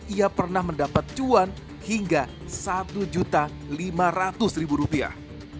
ia pernah mendapat cuan hingga satu lima ratus rupiah